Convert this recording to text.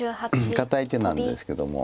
堅い手なんですけども。